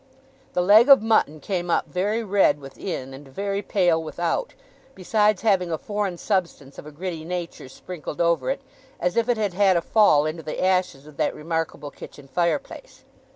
The leg of mutton came up very red within, and very pale without: besides having a foreign substance of a gritty nature sprinkled over it, as if if had had a fall into the ashes of that remarkable kitchen fireplace.